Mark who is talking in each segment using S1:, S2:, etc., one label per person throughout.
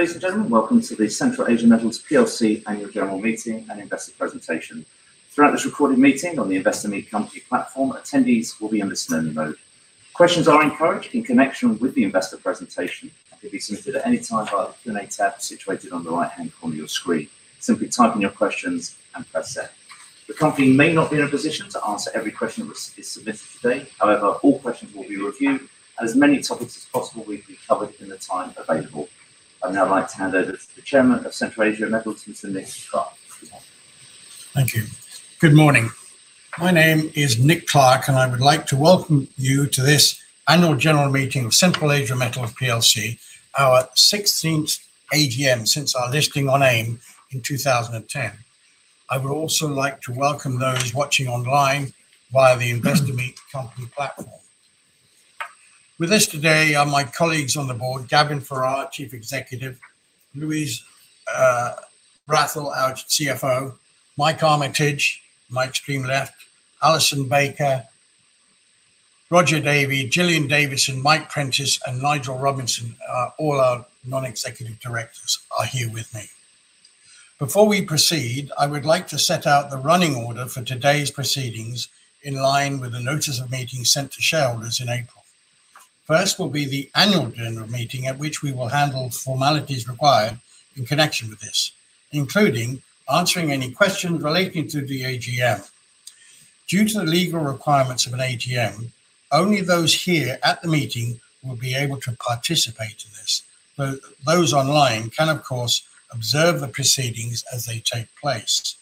S1: Ladies and gentlemen, welcome to the Central Asia Metals PLC Annual General Meeting and Investor Presentation. Throughout this recorded meeting on the Investor Meet Company platform, attendees will be in listen-only mode. Questions are encouraged in connection with the investor presentation. They can be submitted at any time via the Q&A tab situated on the right-hand corner of your screen. Simply type in your questions and press send. The company may not be in a position to answer every question that is submitted today. All questions will be reviewed and as many topics as possible will be covered in the time available. I'd now like to hand over to the Chairman of Central Asia Metals, Mr. Nick Clarke. Good morning.
S2: Thank you. Good morning. My name is Nick Clarke, I would like to welcome you to this Annual General Meeting of Central Asia Metals PLC, our 16th AGM since our listing on AIM in 2010. I would also like to welcome those watching online via the Investor Meet Company platform. With us today are my colleagues on the board, Gavin Ferrar, Chief Executive, Louise Wrathall, our CFO, Mike Armitage, my extreme left, Alison Baker, Roger Davey, Gillian Davidson, Mike Prentis, and Nigel Robinson are all our Non-Executive Directors are here with me. Before we proceed, I would like to set out the running order for today's proceedings in line with the notice of meeting sent to shareholders in April. First will be the Annual General Meeting at which we will handle formalities required in connection with this, including answering any questions relating to the AGM. Due to the legal requirements of an AGM, only those here at the meeting will be able to participate in this. Those online can, of course, observe the proceedings as they take place.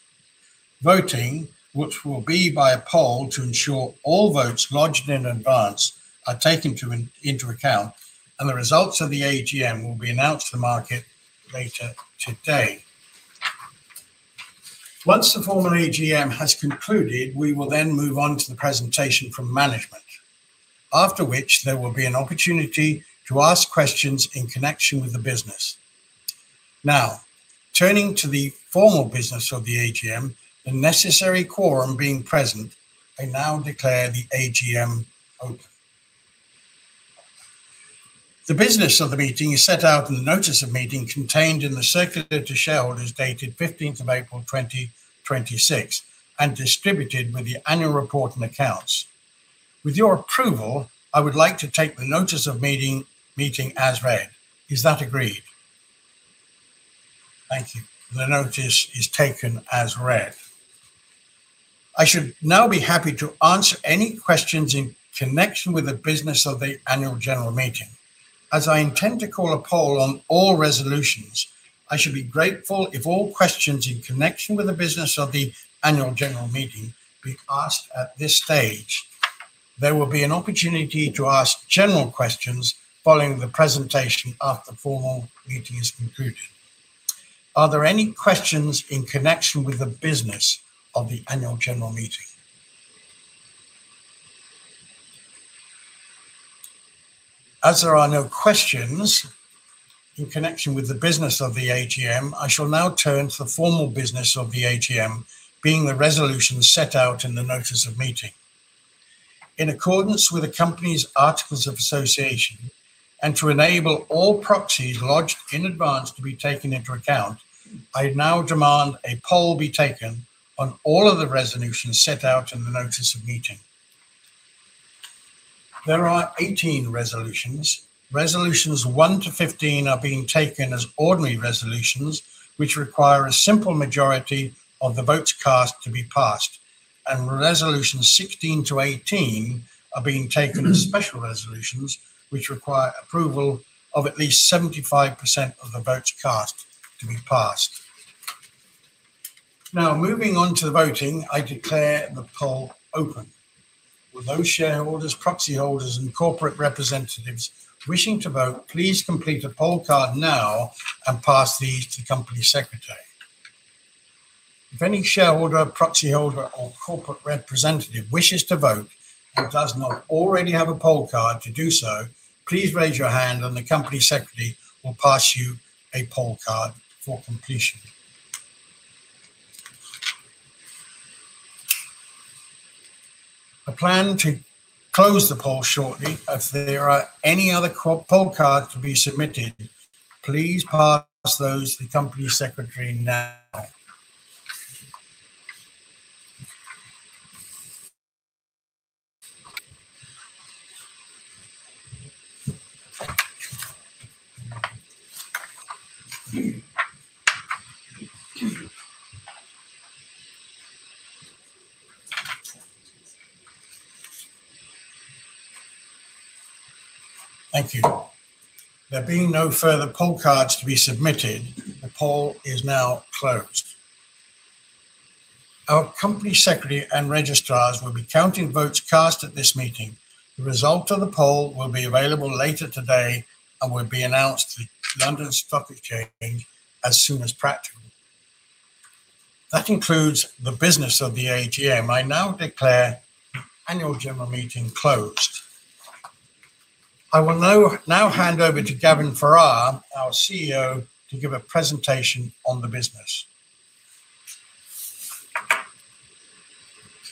S2: Voting, which will be by a poll to ensure all votes lodged in advance are taken into account. The results of the AGM will be announced to the market later today. Once the formal AGM has concluded, we will then move on to the presentation from management. After which, there will be an opportunity to ask questions in connection with the business. Turning to the formal business of the AGM, the necessary quorum being present, I now declare the AGM open. The business of the meeting is set out in the notice of meeting contained in the circular to shareholders dated 15th of April, 2026, and distributed with the annual report and accounts. With your approval, I would like to take the notice of meeting as read. Is that agreed? Thank you. The notice is taken as read. I should now be happy to answer any questions in connection with the business of the Annual General Meeting. I intend to call a poll on all resolutions, I should be grateful if all questions in connection with the business of the Annual General Meeting be asked at this stage. There will be an opportunity to ask general questions following the presentation after the formal meeting is concluded. Are there any questions in connection with the business of the Annual General Meeting? As there are no questions in connection with the business of the AGM, I shall now turn to the formal business of the AGM, being the resolutions set out in the notice of meeting. In accordance with the company's articles of association and to enable all proxies lodged in advance to be taken into account, I now demand a poll be taken on all of the resolutions set out in the notice of meeting. There are 18 resolutions. Resolutions 1-15 are being taken as ordinary resolutions, which require a simple majority of the votes cast to be passed. Resolutions 16-18 are being taken as special resolutions, which require approval of at least 75% of the votes cast to be passed. Now, moving on to the voting, I declare the poll open. Will those shareholders, proxy holders, and corporate representatives wishing to vote, please complete a poll card now and pass these to Company Secretary. If any shareholder, proxy holder, or corporate representative wishes to vote and does not already have a poll card to do so, please raise your hand and the company secretary will pass you a poll card for completion. I plan to close the poll shortly. If there are any other poll cards to be submitted, please pass those to the company secretary now. Thank you. There being no further poll cards to be submitted, the poll is now closed. Our company secretary and registrars will be counting votes cast at this meeting. The result of the poll will be available later today and will be announced to the London Stock Exchange as soon as practical. That concludes the business of the AGM. I now declare the Annual General Meeting closed. I will now hand over to Gavin Ferrar, our CEO, to give a presentation on the business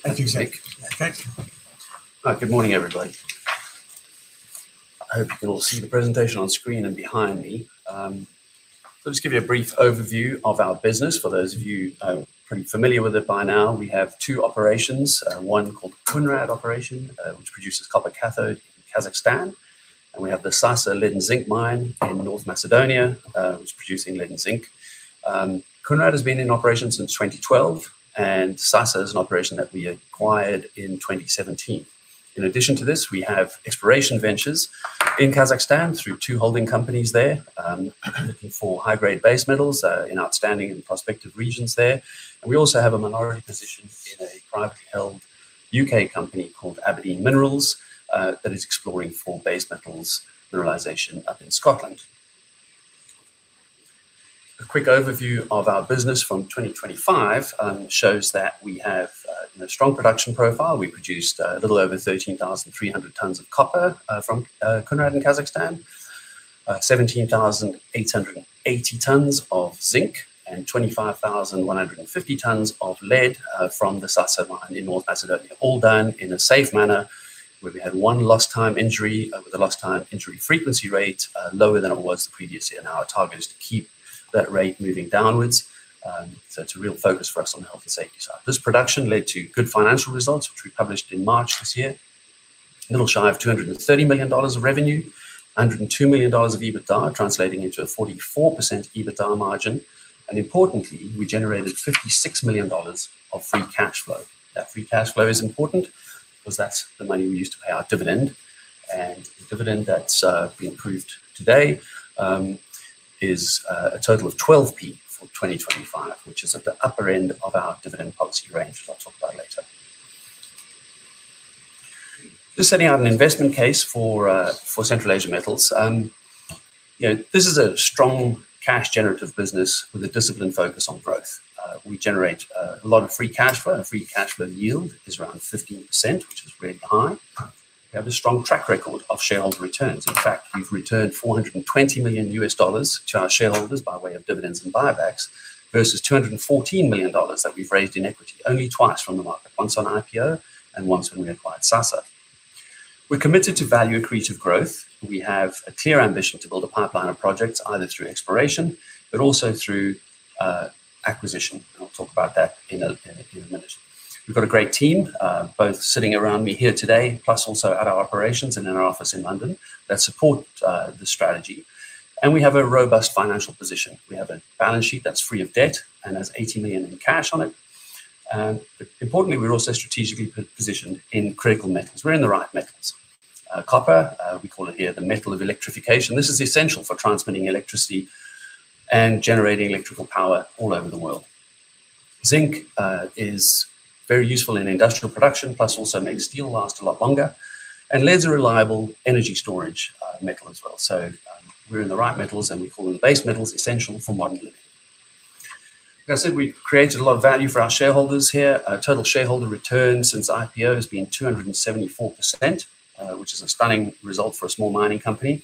S3: [Thank you, Nick Clarke].
S2: Thanks.
S3: Good morning, everybody. I hope you can all see the presentation on screen and behind me. I'll just give you a brief overview of our business for those of you pretty familiar with it by now. We have two operations, one called Kounrad Operation, which produces copper cathode in Kazakhstan, and we have the Sasa lead and zinc mine in North Macedonia, which is producing lead and zinc. Kounrad has been in operation since 2012, Sasa is an operation that we acquired in 2017. In addition to this, we have exploration ventures in Kazakhstan through two holding companies there, looking for high-grade base metals in outstanding and prospective regions there. We also have a minority position in a privately held U.K. company called Aberdeen Minerals, that is exploring for base metals mineralization up in Scotland. A quick overview of our business from 2025 shows that we have a strong production profile. We produced 13,300 tons of copper from Kounrad in Kazakhstan, 17,880 tons of zinc and 25,150 tons of lead from the Sasa mine in North Macedonia, all done in a safe manner where we had one lost time injury with a lost time injury frequency rate lower than it was the previous year. Our target is to keep that rate moving downwards. It's a real focus for us on the health and safety side. This production led to good financial results, which we published in March this year. Little shy of $230 million of revenue, $102 million of EBITDA, translating into a 44% EBITDA margin. Importantly, we generated $56 million of free cash flow. That free cash flow is important 'cause that's the money we use to pay our dividend. The dividend that's being approved today is a total of $0.12 for 2025, which is at the upper end of our dividend policy range, which I'll talk about later. Just setting out an investment case for Central Asia Metals. You know, this is a strong cash generative business with a disciplined focus on growth. We generate a lot of free cash flow. Our free cash flow yield is around 15%, which is very high. We have a strong track record of shareholder returns. We've returned $420 million to our shareholders by way of dividends and buybacks versus $214 million that we've raised in equity only twice from the market, once on IPO and once when we acquired Sasa. We're committed to value accretive growth. We have a clear ambition to build a pipeline of projects, either through exploration but also through acquisition, I'll talk about that in a minute. We've got a great team, both sitting around me here today, plus also at our operations and in our office in London that support the strategy. We have a robust financial position. We have a balance sheet that's free of debt and has $80 million in cash on it. Importantly, we're also strategically positioned in critical metals. We're in the right metals. Copper, we call it here the metal of electrification. This is essential for transmitting electricity and generating electrical power all over the world. Zinc is very useful in industrial production, plus also makes steel last a lot longer. Lead's a reliable energy storage metal as well. We're in the right metals, and we call them the base metals essential for modern living. Like I said, we've created a lot of value for our shareholders here. Our total shareholder return since IPO has been 274%, which is a stunning result for a small mining company.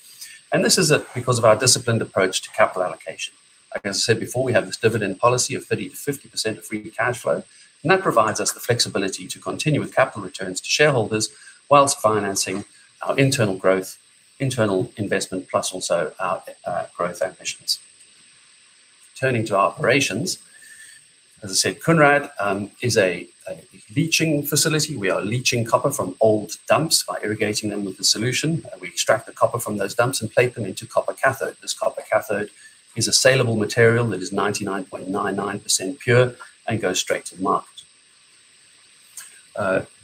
S3: This is because of our disciplined approach to capital allocation. Like as I said before, we have this dividend policy of 30%-50% of free cash flow, that provides us the flexibility to continue with capital returns to shareholders whilst financing our internal growth, internal investment, plus also our growth ambitions. Turning to our operations. As I said, Kounrad is a leaching facility. We are leaching copper from old dumps by irrigating them with a solution. We extract the copper from those dumps and plate them into copper cathode. This copper cathode is a sellable material that is 99.99% pure and goes straight to the market.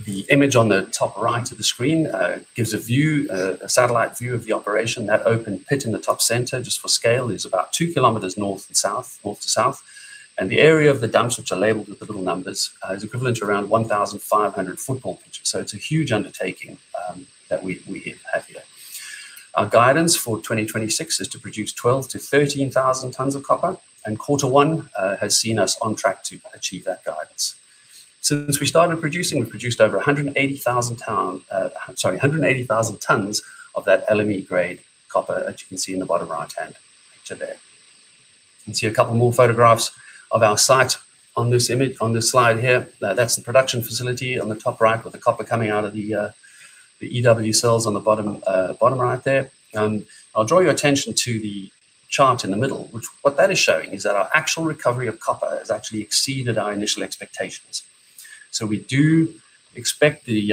S3: The image on the top right of the screen gives a view, a satellite view of the operation. That open pit in the top center, just for scale, is about 2 km north and south, north to south. The area of the dumps, which are labeled with the little numbers, is equivalent to around 1,500 football pitches. It's a huge undertaking that we have here. Our guidance for 2026 is to produce 12,000-13,000 tons of copper. Quarter one has seen us on track to achieve that guidance. Since we started producing, we've produced over 180,000 tons of that LME grade copper, as you can see in the bottom right-hand picture there. You can see a couple more photographs of our site on this image, on this slide here. That's the production facility on the top right with the copper coming out of the EW cells on the bottom right there. I'll draw your attention to the chart in the middle, which what that is showing is that our actual recovery of copper has actually exceeded our initial expectations. We do expect the,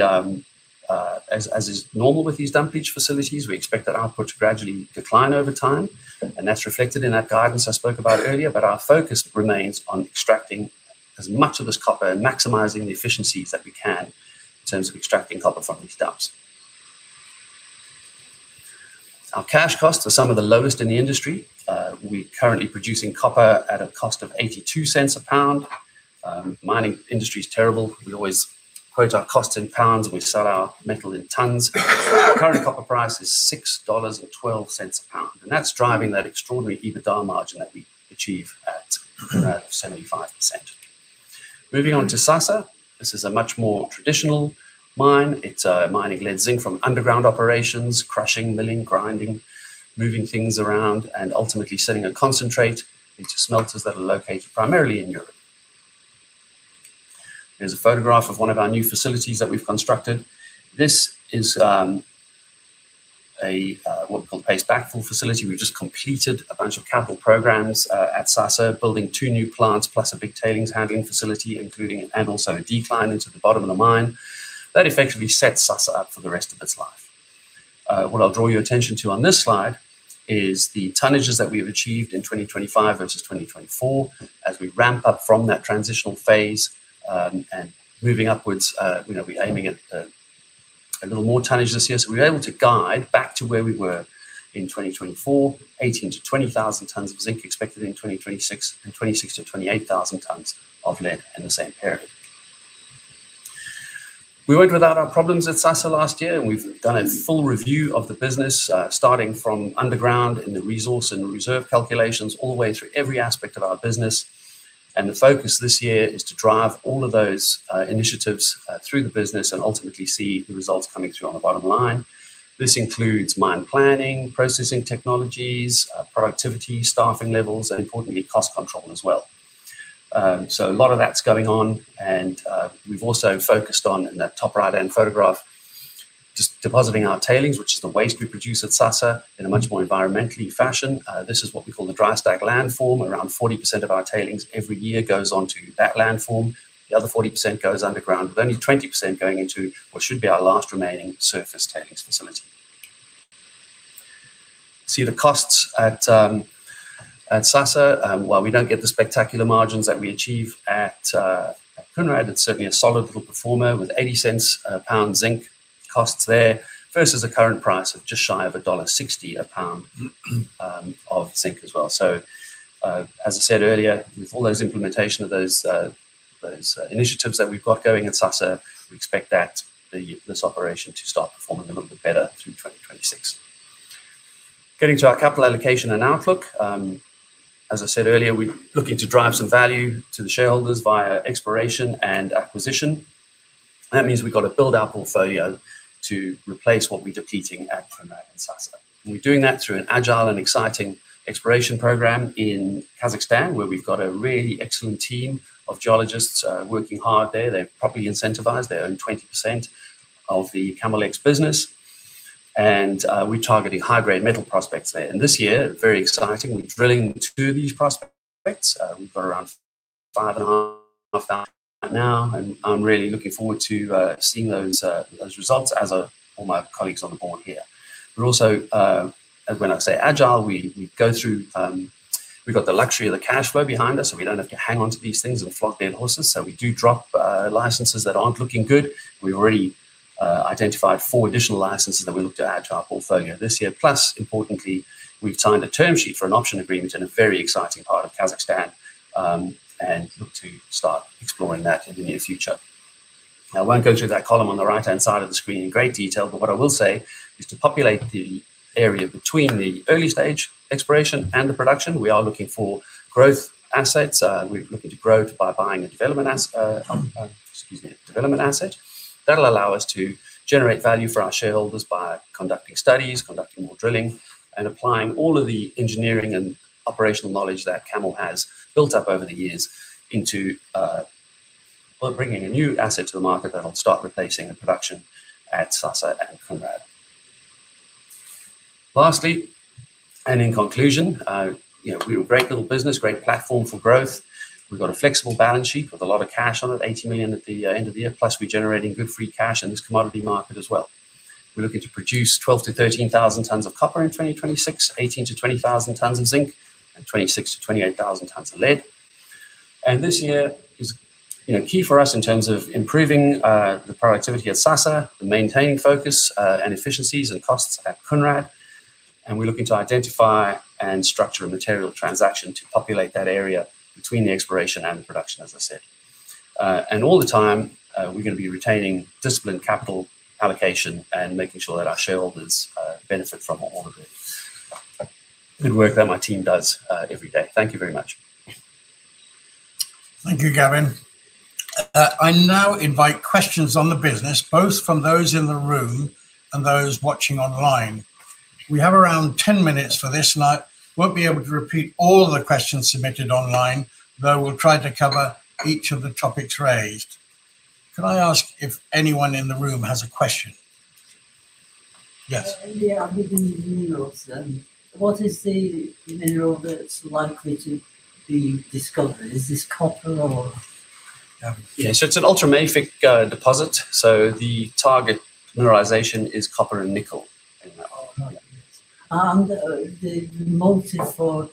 S3: as is normal with these dump leach facilities, we expect that output to gradually decline over time, and that's reflected in that guidance I spoke about earlier. Our focus remains on extracting as much of this copper and maximizing the efficiencies that we can in terms of extracting copper from these dumps. Our cash costs are some of the lowest in the industry. We're currently producing copper at a cost of $0.82 a pound. Mining industry is terrible. We always quote our costs in pounds, and we sell our metal in tons. Current copper price is $6.12 a pound, that's driving that extraordinary EBITDA margin that we achieve at 75%. Moving on to Sasa. This is a much more traditional mine. It's mining lead zinc from underground operations, crushing, milling, grinding, moving things around and ultimately sending concentrates. These are smelters that are located primarily in Europe. Here's a photograph of one of our new facilities that we've constructed. This is what we call paste backfill facility. We've just completed a bunch of capital programs at Sasa building two new plants plus a big tailings handling facility, including and also a decline into the bottom of the mine. That effectively sets Sasa up for the rest of its life. What I'll draw your attention to on this slide is the tonnages that we have achieved in 2025 versus 2024 as we ramp up from that transitional phase, and moving upwards, you know, we're aiming at a little more tonnage this year. We were able to guide back to where we were in 2024, 18,000-20,000 tons of zinc expected in 2026 and 26,000-28,000 tons of lead in the same period. We weren't without our problems at Sasa last year, and we've done a full review of the business, starting from underground in the resource and reserve calculations all the way through every aspect of our business. The focus this year is to drive all of those initiatives through the business and ultimately see the results coming through on the bottom line. This includes mine planning, processing technologies, productivity, staffing levels, and importantly cost control as well. So a lot of that's going on and we've also focused on, in that top right-hand photograph, just depositing our tailings, which is the waste we produce at Sasa, in a much more environmentally fashion. This is what we call the dry stack landform. Around 40% of our tailings every year goes onto that landform. The other 40% goes underground, with only 20% going into what should be our last remaining surface tailings facility. See the costs at Sasa, while we don't get the spectacular margins that we achieve at Kounrad, it's certainly a solid little performer with $0.80 pound zinc costs there versus the current price of just shy of $1.60 a pound of zinc as well. As I said earlier, with all those implementation of those initiatives that we've got going at Sasa, we expect that this operation to start performing a little bit better through 2026. Getting to our capital allocation and outlook, as I said earlier, we're looking to drive some value to the shareholders via exploration and acquisition. That means we've got to build our portfolio to replace what we're depleting at Kounrad and Sasa. We're doing that through an agile and exciting exploration program in Kazakhstan, where we've got a really excellent team of geologists working hard there. They're properly incentivized. They own 20% of the CAML X business, and we're targeting high-grade metal prospects there. This year, very exciting, we're drilling two of these prospects. We've got around 5,500 right now, and I'm really looking forward to seeing those results as are all my colleagues on the board here. We're also, when I say agile, we go through, we've got the luxury of the cash flow behind us, so we don't have to hang on to these things and flog dead horses. We do drop licenses that aren't looking good. We've already identified four additional licenses that we look to add to our portfolio this year. Importantly, we've signed a term sheet for an option agreement in a very exciting part of Kazakhstan and look to start exploring that in the near future. I won't go through that column on the right-hand side of the screen in great detail, but what I will say is to populate the area between the early stage exploration and the production, we are looking for growth assets. We're looking to grow by buying a development asset. That'll allow us to generate value for our shareholders by conducting studies, conducting more drilling, and applying all of the engineering and operational knowledge that CAML has built up over the years into, well, bringing a new asset to the market that'll start replacing the production at Sasa and Kounrad. Lastly, and in conclusion, you know, we're a great little business, great platform for growth. We've got a flexible balance sheet with a lot of cash on it, $80 million at the end of the year, plus we're generating good free cash in this commodity market as well. We're looking to produce 12,000-13,000 tons of copper in 2026, 18,000-20,000 tons in zinc, and 26,000-28,000 tons of lead. This year is, you know, key for us in terms of improving the productivity at Sasa and maintaining focus and efficiencies and costs at Kounrad. We're looking to identify and structure a material transaction to populate that area between the exploration and the production, as I said. All the time, we're gonna be retaining disciplined capital allocation and making sure that our shareholders benefit from all of the good work that my team does every day. Thank you very much.
S2: Thank you, Gavin. I now invite questions on the business, both from those in the room and those watching online. We have around 10 minutes for this. I won't be able to repeat all the questions submitted online, though we'll try to cover each of the topics raised. Can I ask if anyone in the room has a question? Yes.
S4: Yeah. With the minerals, what is the mineral that's likely to be discovered? Is this copper or?
S2: Gavin?
S3: Yeah. It's an ultramafic deposit, so the target mineralization is copper and nickel in that one.
S4: Oh, right. The motive for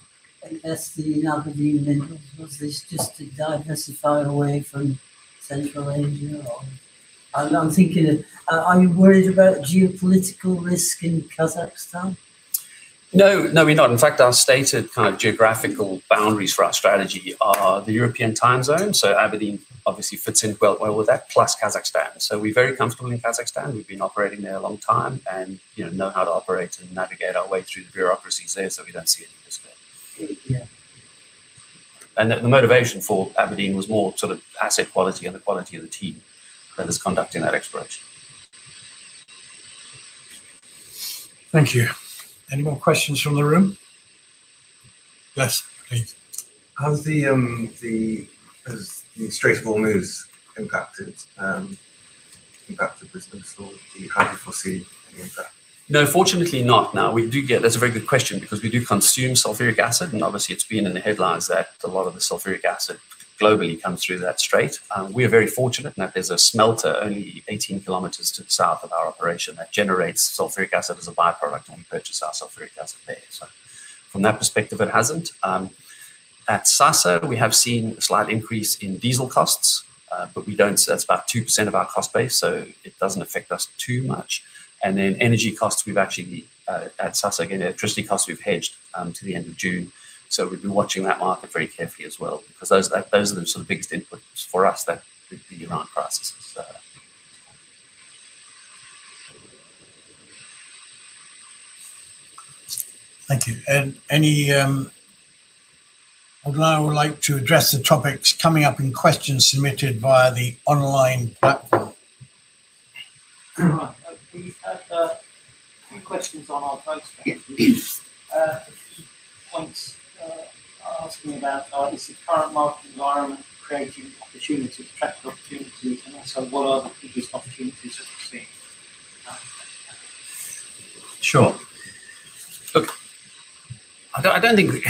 S4: investing in Aberdeen Minerals, was this just to diversify away from Central Asia or I'm thinking, are you worried about geopolitical risk in Kazakhstan?
S3: No. No, we're not. In fact, our stated kind of geographical boundaries for our strategy are the European time zone. Aberdeen obviously fits in well with that, plus Kazakhstan. We're very comfortable in Kazakhstan. We've been operating there a long time and, you know how to operate and navigate our way through the bureaucracies there, so we don't see any risk there.
S2: Yeah.
S3: The motivation for Aberdeen was more sort of asset quality and the quality of the team that is conducting that exploration.
S2: Thank you. Any more questions from the room? Yes, please.
S5: How's the has the Strait of Hormuz impacted business at all? Do you, how do you foresee any impact?
S3: No, fortunately not. That's a very good question because we do consume sulfuric acid, and obviously it's been in the headlines that a lot of the sulfuric acid globally comes through that strait. We are very fortunate in that there's a smelter only 18 km to the south of our operation that generates sulfuric acid as a byproduct, and we purchase our sulfuric acid there. From that perspective, it hasn't. At Sasa we have seen a slight increase in diesel costs, That's about 2% of our cost base, it doesn't affect us too much. Energy costs, we've actually, at Sasa, again, electricity costs we've hedged to the end of June. We've been watching that market very carefully as well 'cause those, like, those are the sort of biggest inputs for us that would be around processes.
S2: Thank you. Although I would like to address the topics coming up in questions submitted via the online platform.
S6: Right. We've had a few questions on our post questions, a few points asking about is the current market environment creating opportunities, practical opportunities, and also what are the biggest opportunities that we're seeing?
S3: Sure. Look, I don't think,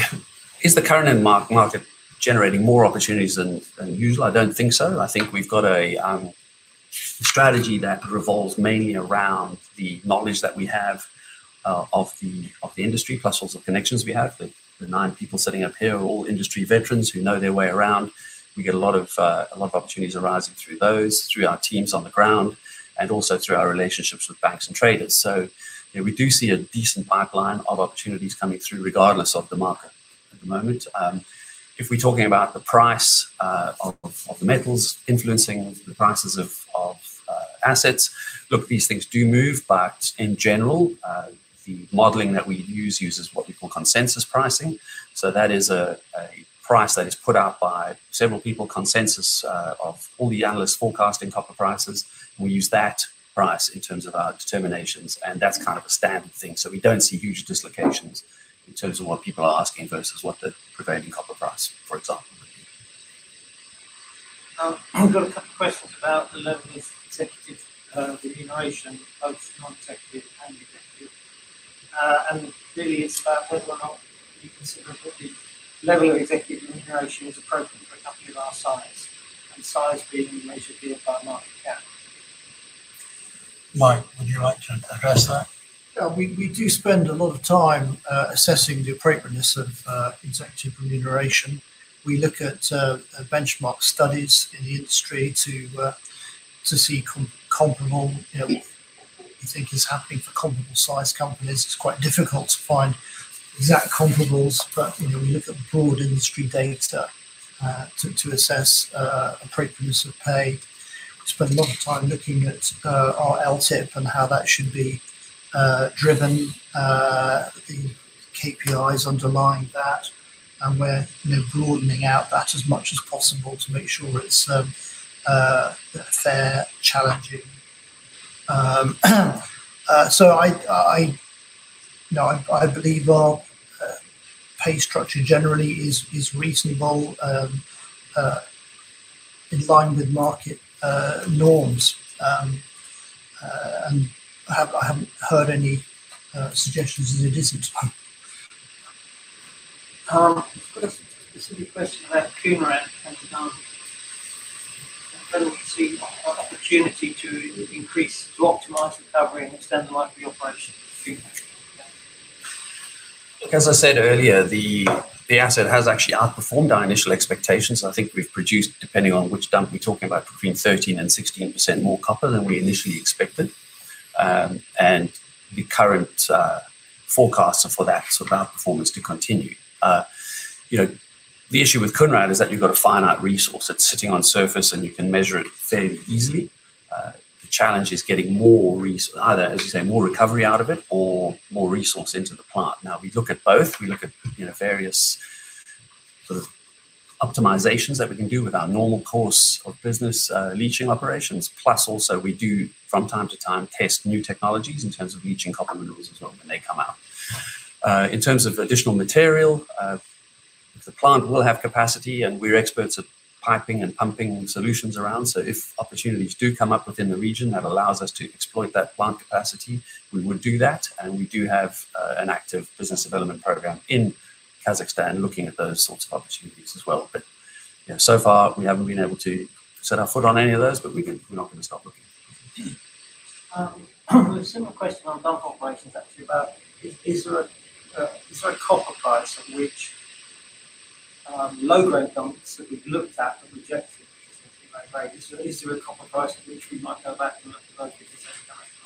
S3: is the current market generating more opportunities than usual? I don't think so. I think we've got a strategy that revolves mainly around the knowledge that we have of the industry, plus all the connections we have. The nine people sitting up here are all industry veterans who know their way around. We get a lot of opportunities arising through those, through our teams on the ground, and also through our relationships with banks and traders. You know, we do see a decent pipeline of opportunities coming through regardless of the market at the moment. If we're talking about the price of the metals influencing the prices of assets, look, these things do move. In general, the modeling that we use uses what we call consensus pricing. That is a price that is put out by several people, consensus, of all the analysts forecasting copper prices. We use that price in terms of our determinations, and that's kind of a standard thing. We don't see huge dislocations in terms of what people are asking versus what the prevailing copper price, for example, would be.
S6: We've got a couple questions about the level of executive remuneration, both Non-Executive and Executive. Really it's about whether or not you consider that the level of Executive remuneration is appropriate for a company of our size, and size being measured here by market cap.
S2: Mike, would you like to address that?
S7: We do spend a lot of time assessing the appropriateness of Executive remuneration. We look at benchmark studies in the industry to see comparable, you know, what we think is happening for comparable-sized companies. It's quite difficult to find exact comparables, you know, we look at broad industry data to assess appropriateness of pay. We spend a lot of time looking at our LTIP and how that should be driven, the KPIs underlying that. We're, you know, broadening out that as much as possible to make sure it's a fair challenging. I, you know, I believe our pay structure generally is reasonable in line with market norms. I haven't heard any suggestions that it isn't.
S6: We've got a specific question about Kounrad and whether we see opportunity to increase, to optimize recovery and extend the life of the operation in the future.
S3: As I said earlier, the asset has actually outperformed our initial expectations. I think we've produced, depending on which dump we're talking about, between 13 and 16% more copper than we initially expected. The current forecasts are for that sort of outperformance to continue. You know, the issue with Kounrad is that you've got a finite resource. It's sitting on surface, you can measure it fairly easily. The challenge is getting more either, as you say, more recovery out of it or more resource into the plant. We look at both. We look at, you know, various sort of optimizations that we can do with our normal course of business, leaching operations. Plus also we do, from time to time, test new technologies in terms of leaching copper minerals as well when they come out. In terms of additional material, the plant will have capacity, and we're experts at piping and pumping solutions around. If opportunities do come up within the region that allows us to exploit that plant capacity, we would do that. We do have an active business development program in Kazakhstan looking at those sorts of opportunities as well. You know, so far we haven't been able to set our foot on any of those, but we're not gonna stop looking.
S6: A similar question on dump operations actually about, is there a copper price at which we might go back and look at those business cases?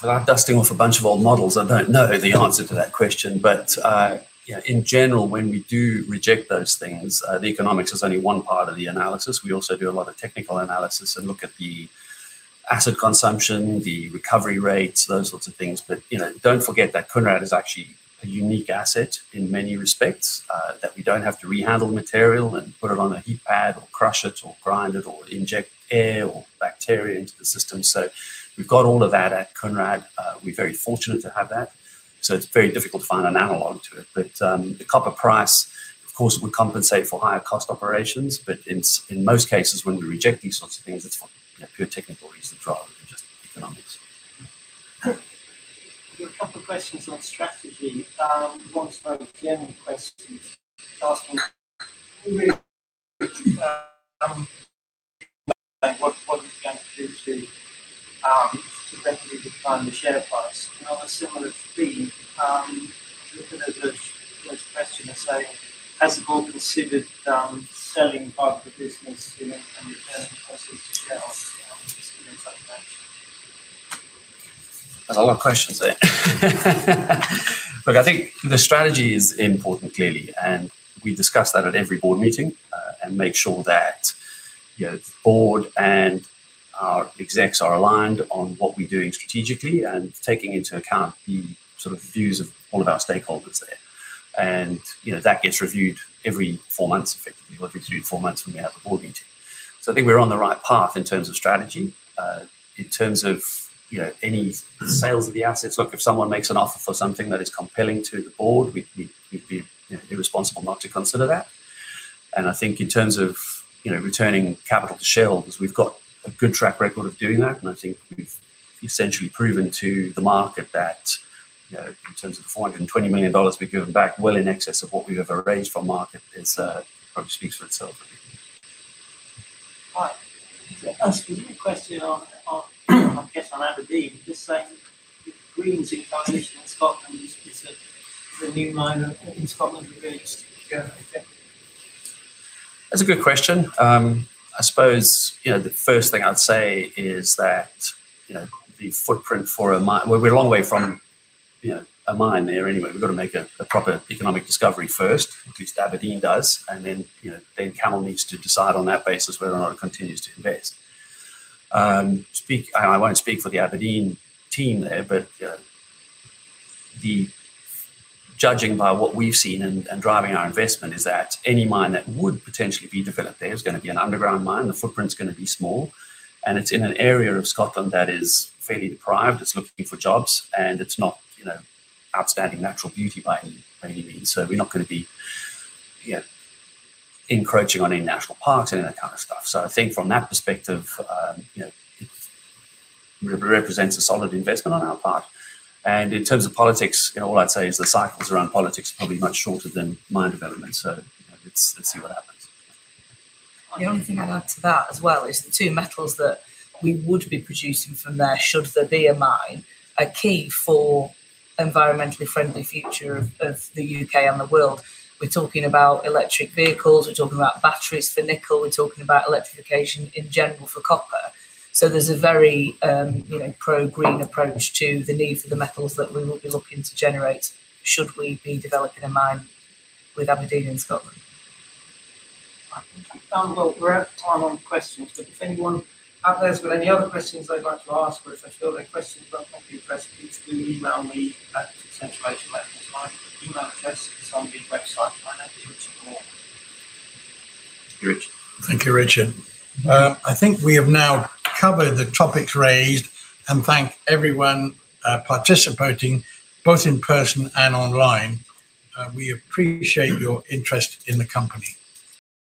S3: Without dusting off a bunch of old models, I don't know the answer to that question. You know, in general, when we do reject those things, the economics is only one part of the analysis. We also do a lot of technical analysis and look at the acid consumption, the recovery rates, those sorts of things. You know, don't forget that Kounrad is actually a unique asset in many respects, that we don't have to rehandle material and put it on a heap pad or crush it or grind it or inject air or bacteria into the system. We've got all of that at Kounrad. We're very fortunate to have that. It's very difficult to find an analog to it. The copper price, of course, would compensate for higher cost operations. In most cases, when we reject these sorts of things, it's for, you know, pure technical reasons rather than just economics.
S6: There are a couple questions on strategy. One's from a general question asking what is it going to do to basically define the share price? On a similar theme, looking at the first question and say, has the board considered selling part of the business and returning proceeds to shareholders?
S3: There's a lot of questions there. Look, I think the strategy is important clearly, and we discuss that at every board meeting, and make sure that, you know, the board and our Execs are aligned on what we're doing strategically and taking into account the sort of views of all of our stakeholders there. You know, that gets reviewed every 4 months, effectively. We review it 4 months when we have a board meeting. I think we're on the right path in terms of strategy. In terms of, you know, any sales of the assets. Look, if someone makes an offer for something that is compelling to the board, we'd be, you know, irresponsible not to consider that. I think in terms of, you know, returning capital to shareholders, we've got a good track record of doing that. I think we've essentially proven to the market that, you know, in terms of the $420 million we've given back well in excess of what we've ever raised from market is probably speaks for itself.
S6: Right. Can I ask a new question on, I guess on Aberdeen, just saying with the greens in coalition in Scotland, is the new mine in Scotland at risk?
S3: That's a good question. I suppose, you know, the first thing I'd say is that, you know, We're a long way from, you know, a mine there anyway. We've gotta make a proper economic discovery first, which Aberdeen does, and then, you know, then CAML needs to decide on that basis whether or not it continues to invest. I won't speak for the Aberdeen team there, but, judging by what we've seen and driving our investment is that any mine that would potentially be developed there is gonna be an underground mine. The footprint's gonna be small, it's in an area of Scotland that is fairly deprived. It's looking for jobs, it's not, you know, outstanding natural beauty by any means. We're not gonna be, you know, encroaching on any national park, any of that kind of stuff. I think from that perspective, you know, it represents a solid investment on our part. In terms of politics, you know, all I'd say is the cycles around politics are probably much shorter than mine development. You know, let's see what happens.
S8: The only thing I'd add to that as well is the two metals that we would be producing from there should there be a mine are key for environmentally friendly future of the U.K. and the world. We're talking about electric vehicles. We're talking about batteries for nickel. We're talking about electrification in general for copper. There's a very, you know, pro-green approach to the need for the metals that we will be looking to generate should we be developing a mine with Aberdeen in Scotland.
S6: Well, we're out of time on questions. If anyone out there has got any other questions they'd like to ask or if they feel their question's not properly addressed, please do email me at [Central Asia Metals]. Email address is on the website, [finance@centralasiametals].
S2: Thank you, Richard. I think we have now covered the topics raised, and thank everyone participating both in person and online. We appreciate your interest in the company.